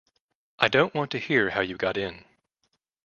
I don't want to hear how you got in.